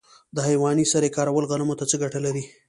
د حیواني سرې کارول غنمو ته څه ګټه لري؟